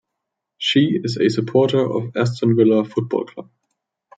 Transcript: She is a supporter of Aston Villa football club.